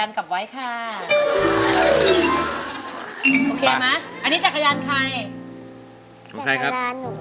อันนี้จักรยานใคร